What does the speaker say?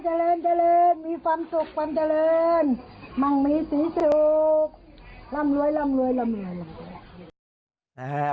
ขอให้เจรนมีความสุขความเจรนมังมีสีสุขรำรวย